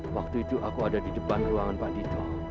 waktu itu aku ada di depan ruangan bandito